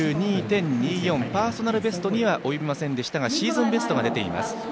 パーソナルベストには及びませんでしたがシーズンベストが出ています。